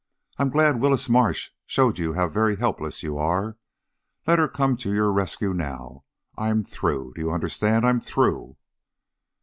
I'm glad Willis Marsh showed you how very helpless you are. Let her come to your rescue now. I'm through. Do you understand? I'm through!"